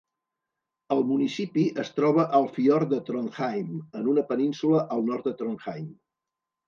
El municipi es troba al fiord de Trondheim, en una península al nord de Trondheim.